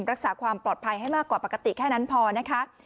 รักษาความปลอดภัยให้มากกว่าปกติแค่นั้นพอนะคะ